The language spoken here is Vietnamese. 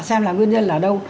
xem là nguyên nhân là đâu